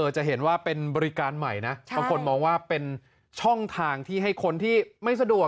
จะเห็นว่าเป็นบริการใหม่นะบางคนมองว่าเป็นช่องทางที่ให้คนที่ไม่สะดวก